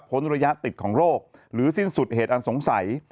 ระยะติดของโรคหรือสิ้นสุดเหตุอันสงสัย